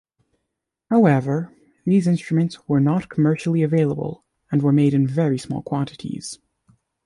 However, these instruments were not commercially available and were made in very small quantities.